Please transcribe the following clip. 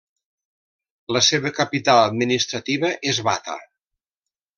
La seva capital administrativa és Bata.